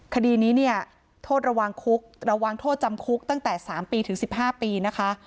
คดีนี้เนี่ยโทษระวังคุกระวังโทษจำคุกตั้งแต่๓ปีถึง๑๕ปีนะคะ